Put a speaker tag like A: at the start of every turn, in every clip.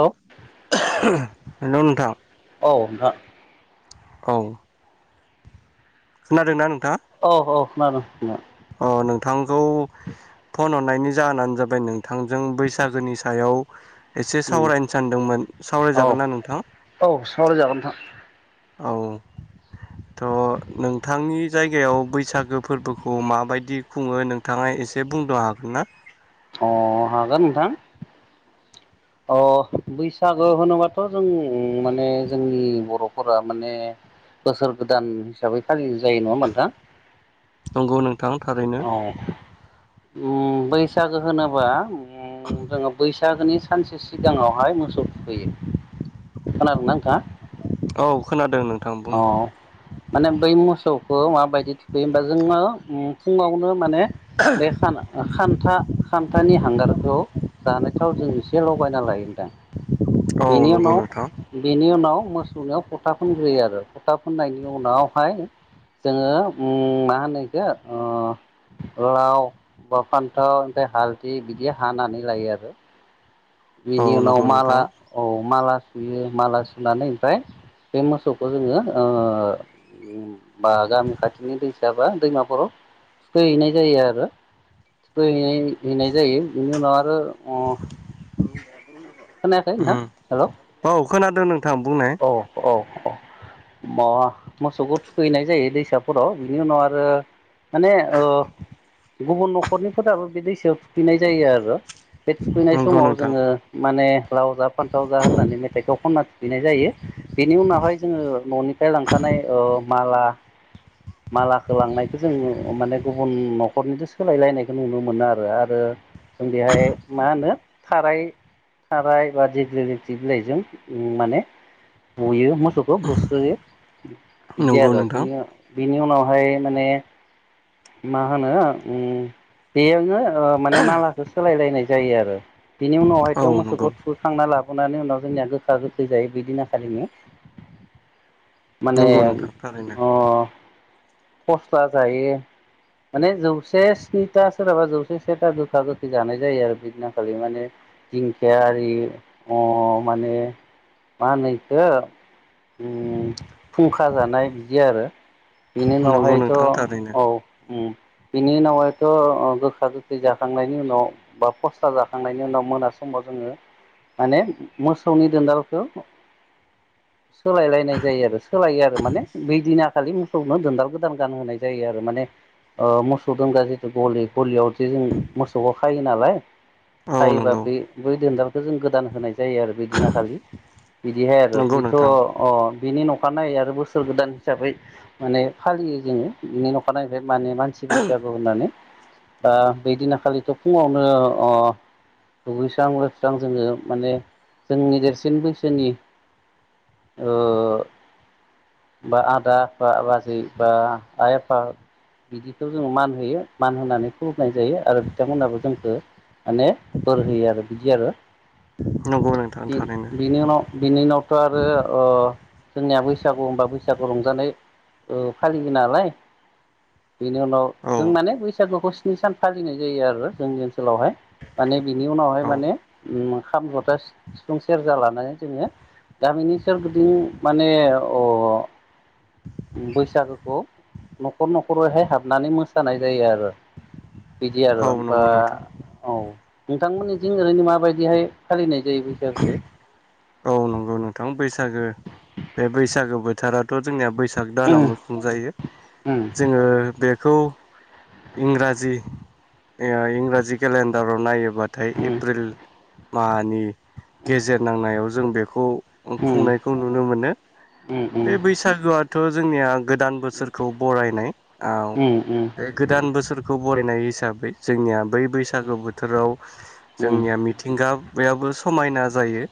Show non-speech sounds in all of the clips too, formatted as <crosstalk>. A: औ
B: हेलौ नोंथां।
A: आ
B: औ खोनादोंना? नों
A: औ औ खोनादों।
B: नायनिनि जाहोनानो जाबाय नोंथांजों बैसागोनि सायाव एसे सावरायनो सानदोंमोन
A: औ
B: सावरायजागोन ना नोंथाङा।
A: औ सावरायजागोन नोंथां
B: औ थ' नोंथांनि जायगायाव बैसागो फोरबोखौ माबायदि खुङो नोंथाङाय एसे बुंनो हागोन ना।
A: अ हागोन नोंथां। अ बैसागो होनोबाथ' जों माने जोंनि बर'फोरा माने बोसोर गोदान हिसाबै खालि जायो नङा होनबा नोंथां।
B: नंगौ नोंथां थारैनो
A: औ ओम बैसागो होनोबा ओम जोङो बैसागोनि सानसे सिगाङावहाय मोसौ फयो खोनादों ना नोंथां।
B: औ खोनादों नोंथां बुं।
A: माने बै मोसौखौ माबायदि थुखैयो होमबा जोङो फुङावनो माने बे खान्था खान्थानि हांगारखौ जानायथाव जों इस एसे लगायना लायोदांनि
B: औ
A: बेनि
B: नंगौ
A: उनाव
B: नोंथां
A: बेनि उनाव मोसौनायाव फथा फुनग्रोयो आरो फथा फोननायनि उनावहाय जोङो मा होनो इखौ लाव बा फान्थाव ओमफ्राय हालद बिदि हानानै लायो आरो
B: औ
A: बिनि उनाव
B: नंगौ
A: माला
B: नोंथां
A: औ माला बियो माला सुनानै ओमफ्राय बे मोसौखौ जोङो ओ बा गामि खाथिनि दैसा बा दैमाफोराव थुखैहैनाय जायो आरो। थुखैहैनाय हैनाय जायो बिनि उनाव आरो
B: <unintelligible>
A: खोनायाखै नोंथां
B: उम
A: हेलौ
B: औ खोनादों नोंथां बुंनाय
A: मा मोसौखौ थुखैनाय जायो दैसाफोराव बिनि उनाव आरो माने ओ गुबुन न'खरनिफोराबो बे दैसायाव थुखैनाय जायो आरो। बे थुखैनाय
B: नंगौ
A: समाव
B: नोंथां
A: जोंङो माने लाव जा फान्थाव जा होननानै मेथाइखौ खनना थुखैनाय जायो बिनि उनावहाय जोंङो न'निफ्राय लांखानाय माला मालाखौ लांनायखौ जोंङो माने गुबुन न'खरनिजों सोलायलायनायखौ नुनो मोनो आरो आरो जों बेहाय मा होनो थाराय थाराय बादि दिग्लिथि बिलाइजों माने बुयो मोसौखौ बुस्रोयो बिब्दि
B: नंगौ
A: आरो
B: नोंथां
A: बि नि उनावहाय माने मा होनो बेयावनो ओ माने मालाखौ सोलायलायनाय जायो आरो बिनि
B: औ
A: उनावहायथ
B: नंगौ
A: मोसौखौ थुखैखांना लाबो नानै उनाव जोंनिया गोखा गोखै जायो बिदिन खालिनो माने
B: नंगौ नोंथां थारैनो
A: अ खस्ला जायो माने जौसे स्निथा सोरहाबा जौसे सेथा गोखा गोखै जानाय जायो आरो बिदिनाखालि माने दिंखिया आरि अ माने मा होनो इखौ ओम फुंखा जानाय बिदि आरो बेनि
B: नंगौ
A: उनावहायथ
B: नोंथां थारैनो
A: औ ओम बिनि उनावहायथ गोखा गोखै जाखांनायनि उनाव बा पस्था जाखांनायनि उनाव मोनासि समाव जोंङो माने मोसौनि दोनदालखौ
B: <inaudible>
A: सोलायलायनाय जायो आरो सोलायो आरो माने बैदिना खालि मोसौनो दोनदाल गोदान गानहोनाय जायो आरो माने मोसौ दोनग्रा जिथु गलि गलियाव जों मोसौआव खायो नालाय
B: औ
A: खायोबा
B: नंगौ
A: बे बै दन्दालखौ जों गोदान होनाय जायो आरो बिदिना खालि बिदिहाय आरो
B: नंगौ
A: बेथ
B: नोंथां
A: बेनि न'खर अखानायनायै आरो बोसोर गोदान हिसाबै माने फालियो जोङो बिनि अखानायनायैफ्राय माने मानसि बैसागु होननानै दा बिदिना खालिथ फुंङावनो दुगैस्रां लोबस्रां जोंङो माने जोंनि देरसिन बैसोनि ओ बा आदा बा बाजै बा आइ आफा बिदिखौ जोङो मान होयो मान होनानै खु लुमनाय जायो आरो बिथांमोनाबो जोंखौ माने बोर होयो आरो बिदि आरो।
B: नंगौ नोंथां थारैनो
A: बिनि उनाव बिनि उनावथ आरो अ जोंनिया बैसागु होनबा बैसागु रंजानाय फालियो नालाय बेनि उनाव
B: औ
A: जों माने बैसागुखौ स्नि सान फालिनाय जायो आरो जोंनि ओनसोलावहाय माने बिनि उनावहाय
B: औ
A: माने ओम खाम जथा सिफुं सेरजा लानानै जोंङो गामिनि सोरगिदिं माने अ बैसागोखौ न'खर न'खरैहाय हाबनानै मोसानाय जायो आरो। बिदि आरो
B: औ
A: होम बा
B: नंगौ नोंथां
A: औ नोंथांमोननिथिं ओरैनो माबायदिहाय फालिनाय जायो बैसागुखौ
B: औ नंगौ नोंथां बैसागो बे बैसागो बोथोरावाथ जोंनिया बैसाग बैसाग दानावनो
A: उम
B: खुंजायो जोंङो बे खौ इंराजि इंराजि केलेन्डाराव नायो थाय
A: उम उम
B: एप्रिल माहानि
A: औ
B: गेजेर नांनायाव जों बेखौ। खुंनायखौ नुनो मोनो बे बैसागोआथ जोंनिया। गोदान बोसोरखौ बरायनाय औ बे गोदान बोसोर खौ बरायनाय हिसाबै जोंनिया बै बैसागो बोथोराव जोंनिया मिथिंगा। बेयाबबो समायना जायो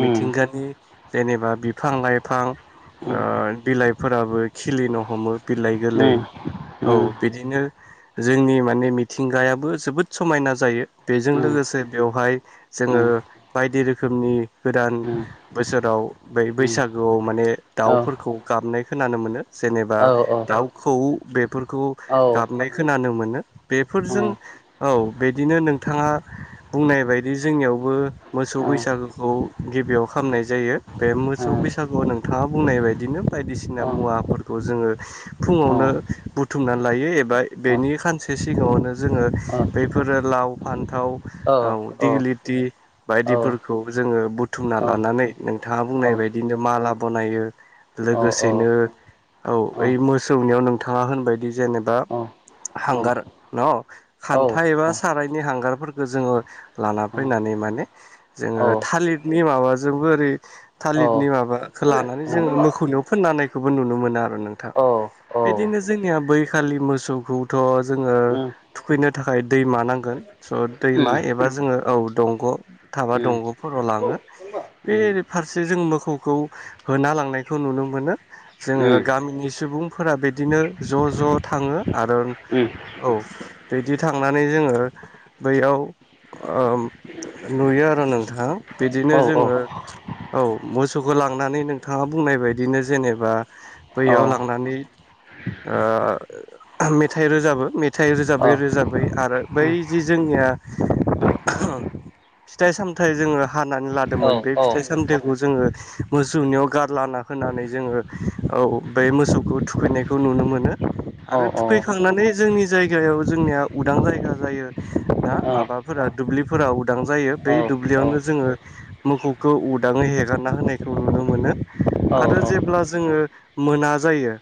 B: मिथिंगानि जेनेबा बिफां लाइफां। ओ-बिलाइफोराबो। खिलिनो हमो बिलाइ गोरलै औ बिदिनो। जोंनि माने मिथिंगायाबो जोबोद समायना जायो। बेजों लोगोसे बेवहाय जोङो बायदि रोखोमनि। गोदान बोसोराव बै बैसागोआव माने दाउफोरखौ गाबनाय खोनानो मोनो। जेनेबा दाउ खौवौ बेफोरखौ गाबनाय खोनानो मो- बेफोरजों औ बिदिनो नोंथाङा बुंनाय बायदि जोंनियावबो। मोसौ बैसागोखौ गिबियाव खामनाय जायो बे मोसौ बैसागुआव नोंथाङा बुंनाय बायदिनो। बायदिसिना मुवाफोरखौ जोङो। फुङावनो बुथुमना लायो एबा बेनि खानसे सिगाङावनो। जोङो बेफोरो लाव फान्थाव औ दिगिलिटि। बायदिफोरखौ जों। ओ-बुथुमना लानानै नोंथाङा बुंनाय बायदिनो माला बनायो लोगोसेनो। औ ओइ मोसौनियाव नोंथाङा होनबायदि जेनेबा। हांगार न खान्था एबा सारायनि हांगारफोरखौ जोङो लाना फैनानै माने। जोङो थालिरनि माबाजोंबो ओरै थालिरनि माबाखो लानानै जोङो मोखौ। नियाव फोनना होनायखौबो नुनो मोनो आरो नोंथां। बिदिनो जोंनिया बैखालि मोसौखौथ जोङो थुखैनो थाखाय दैमानांगोन। स दैमा एबा जोङो औ दंग थाबा दंगफोराव लाङो। बे फारसे जों मोखौखौ होना लांनायखौ नुनो मोनो जोङो गामिनि सु- बुंफोरा बिदिनो ज ज थाङो आरो औ बिदि थांनानै जोङ ङो बैयाव नुयो आरो नोंथां बिदिनो जोङो। औ मोसौखौ लांनानै नोंथाङा बुंनाय बायदिनो जेनेबा बैयाव लांनानै। ओ-मेथाइ रोजाबो मेथाइ
A: औ
B: रोजाबै
A: औ
B: रोजाबै आरो
A: औ
B: बै जि जोंनि। या फिथाइ सामथाइ जोङो हानानै लादोंमोन बे फिथाइ सामथाइ। खौ जोङो मोसौनियाव गारलाना होनानै जोङो औ बे मोसौखौ थुखैनायखौ। नुनो मोनो आरो थुखैखांनानै जोंनि जायगायाव जोंनिया उदां जायगा जायो। माबाफोरा दुब्लिफोरा उदां जायो। बै दुब्लियावनो जोङो मोखौखौ उदाङै हेगारना होनायखौ नुनो मोनो
A: औ
B: आरो। जेब्ला जोङो मोना जायो।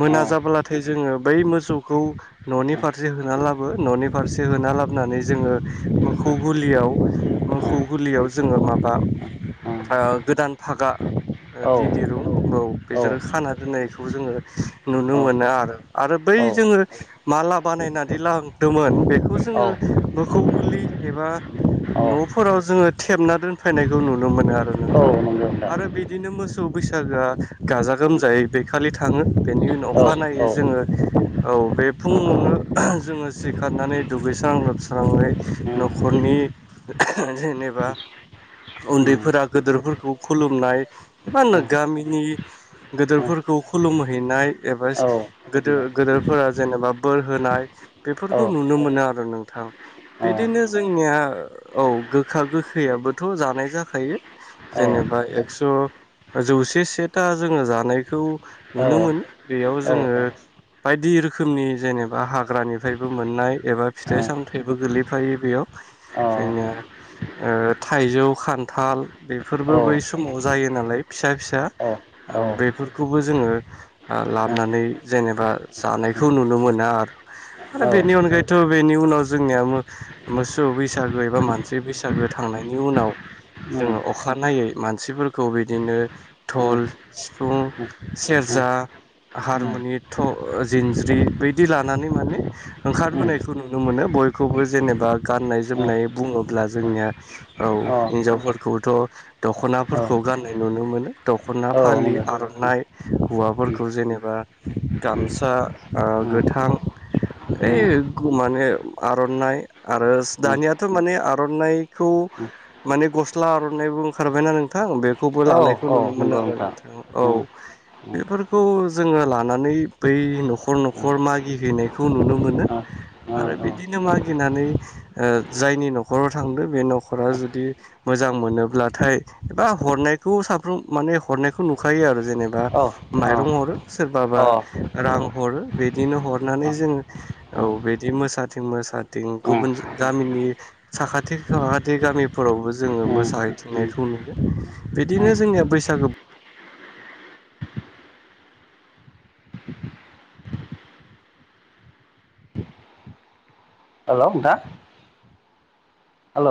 B: मोना जाबोलाथाय जोङो बै मोसौखौ ननि फारसे होना लाबो ननि फारसे होना। लाबोनानै जोङो मोखौ गलियाव मोखौ गलियाव जोङो माबा। ओ-गोदान पागा। दि दिरुं औ बिजों खाना दोननायखौ जोङो नुनो मोनो आरो आरो बै। जोङो माला बानायनानै लांदोंमोन बेखौ जोङो
A: औ
B: मोखौ गलि एबा।
A: औ
B: फोराव जोङो थेबना दोनफैनायखौ नुनो मोनो आरो नोंथां
A: नंगौ नोंथां
B: आरो बिदिनो मोसौ। बैसागोआ गाजा गोमजायै बे खालि थाङो बेनि उनाव
A: औ औ
B: अखानायै जोङो औ। बे फुङावनो जोङो सिखारनानै दुगैस्रां लोबस्रांयै
A: औ औ
B: नखरनि। जेनेबा उन्दैफोरा गोदोरफोरखौ खुलुमनाय एबा गामिनि गदोरफोर- खौ खुलुमहैनाय एबा
A: औ
B: गोदो गोदोरफोरा जेनेबा बोर होनाय बेफोरखौ नुनो मोनो आरो नोंथां बिदिनो जोंनिया औ गोखा गोखैयाबोथ' जानाय जाखायो जेनेबा एकस' जौसे सेथा जोङो जानायखौ नुनो मोनो बेयाव
A: औ
B: जोङो बायदि रोखोमनि जेनेबा हाग्रानिफ्रायबो मोननाय एबा फिथाइ सामथाइबो गोलैफायो बेयाव <inaudible> जोंनिया ओ थाइजौ खान्थाल बेफोरबो बै समाव जायो नालाय फि सा फिसा औ बेफोरखौबो जोङो ओ लाबोनानै जेनेबा जानायखौ नुनो मोना आरो आरो बेनि अनगायैथ' बेनि उनाव जोंनिया मो मोसौ बैसा बशसागो एबा मोनसे बैसागो थांनायनि उनाव जोङो अखानायनायै मानसिफोरखौ बिदिनो दल सिफुं सेरज जा हारमुनि थ' जिनज्रि बायदि लानानै माने ओंखारबोनायखौ नुनो मोनो बयखौबो जेनेबा गाननाय
A: औ
B: जोमनाय बुङोब्ला जोंनिया औ हिनजावफोरखौथ'
A: औ
B: दख'नाफोरखौ गाननाय नु नो मोनो दख'ना
A: औ नंगौ
B: फालि
A: उम
B: आर'नाइ हौवाफोरखौ जेनेबा गामसा ओ गोथां
A: उम
B: यै माने आर'नाइ आरोस
A: उम
B: दानियाथ' माने आर'नाइखौ
A: उम
B: माने गस्ला आर'नाइबो ओंखारबायना नोंथां बे खौबो
A: औ
B: लानायखौ
A: औ
B: नुनो मोनो
A: नंगौ नोंथां
B: नोंथा
A: उम
B: औ
A: उम
B: बेफोरखौ जोङो लानानै बै न'खर न'खर मागिहैनायखौ नुनो मोनो।
A: उम ओ
B: आरो
A: ओ
B: बिदिनो मागिनानै ओ जायनि न'खराव थांदों बे न'खरा जुदि मोजां मोनोब्लाथाय एबा हरनाय खौ साफ्रोम माने हरनायखौ नुखायो आरो जेनेबा माइरं
A: औ
B: हरो सोरबाबा
A: औ अ
B: रां हरो बिदिनो हरनानै
A: अ
B: जोङो औ
A: अ
B: बिदि मोसाथिं मोसाथिं
A: उम
B: गुबुन
A: उम
B: गामिनि साखाथि फाखाथि गामिफोरावबो जोङो
A: उम उम
B: मोसाहैथिंनायखौ नुयो। बिदिनो जोंनिया बैसागो
A: हेलौ नोंथां हेल'